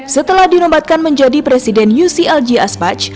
setelah dinombatkan menjadi presiden uclg aspac